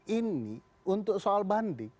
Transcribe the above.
ini untuk soal banding